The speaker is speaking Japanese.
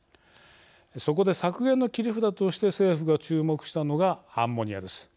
そこで削減の切り札として政府が注目したのがアンモニアです。